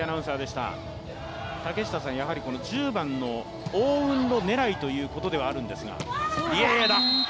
１０番のオウ・ウンロ狙いということではあるんですが。